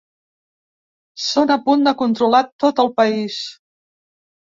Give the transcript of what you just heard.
Són a punt de controlar tot el país.